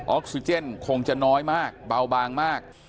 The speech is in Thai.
ออกซิเจนคงจะน้อยมากเบาบางมาก